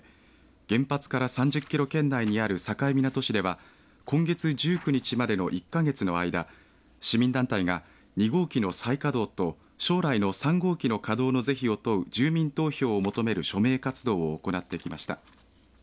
原発から３０キロ圏内にある境港市では今月１９日までの１か月の間市民団体が２号機の再稼働と将来の３号機の稼働の是非を問う住民投票を求める署名活動を行ってきました。